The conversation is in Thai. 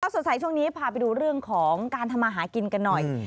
สดใสช่วงนี้พาไปดูเรื่องของการทำมาหากินกันหน่อย